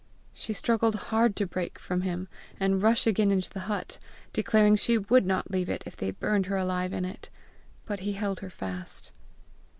She struggled hard to break from him and rush again into the hut, declaring she would not leave it if they burned her alive in it, but he held her fast.